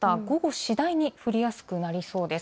次第に降りやすくなりそうです。